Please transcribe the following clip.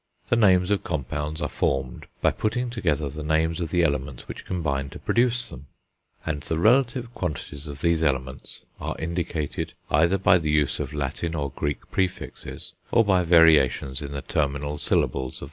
The names of compounds are formed by putting together the names of the elements which combine to produce them; and the relative quantities of these elements are indicated either by the use of Latin or Greek prefixes, or by variations in the terminal syllables of the names of the elements.